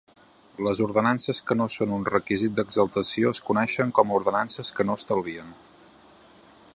Les ordenances que no són un requisit d'exaltació es coneixen com a ordenances que no estalvien.